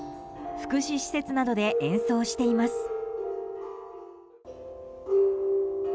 福祉施設などで演奏しています。